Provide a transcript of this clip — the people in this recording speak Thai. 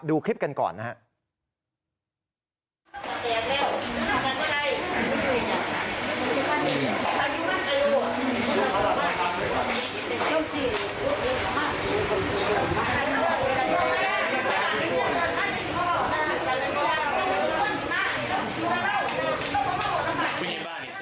ดูคลิปกันก่อนนะครับ